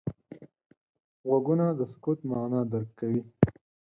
غوږونه د سکوت معنا درک کوي